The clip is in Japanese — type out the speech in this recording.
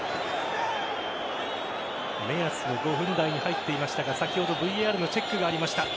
目安の５分台に入っていましたが先ほどＶＡＲのチェックがありました。